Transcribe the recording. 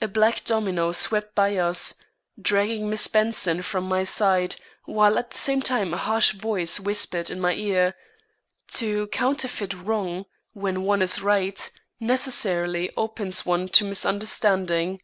A black domino swept by us, dragging Miss Benson from my side, while at the same time a harsh voice whispered in my ear: "To counterfeit wrong when one is right, necessarily opens one to misunderstanding."